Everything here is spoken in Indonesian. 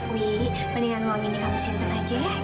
wih mendingan uang ini kamu simpen aja ya